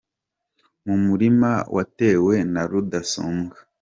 Mu murima watewe na Rudasumbwa